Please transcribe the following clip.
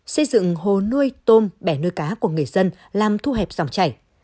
xây dựng hồ nuôi tôm bè nuôi cá của người dân làm thu hẹp dòng chảy